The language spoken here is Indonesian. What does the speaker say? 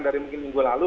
dari mungkin minggu lalu